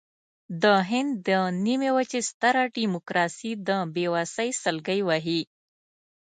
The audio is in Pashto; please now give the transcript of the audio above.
د هند د نیمې وچې ستره ډیموکراسي د بېوسۍ سلګۍ وهي.